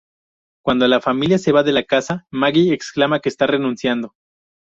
Cuando la familia se va de la casa, Maggie exclama que está renunciando.